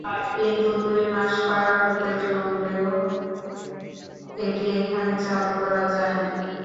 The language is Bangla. কিন্তু দুই মাস পার হতে চললেও এটি এখনো চালু করা যায়নি।